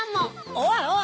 おいおい！